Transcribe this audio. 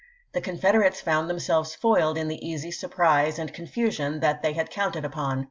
The Confederates found themselves foiled in the easy surprise and confusion that they had counted upon.